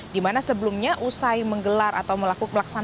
dimana sebelumnya usai menggelar atau melakukan pelaksanaan